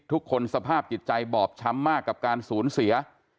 สภาพจิตใจบอบช้ำมากกับการสูญเสีย